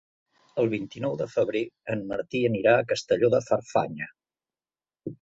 El vint-i-nou de febrer en Martí anirà a Castelló de Farfanya.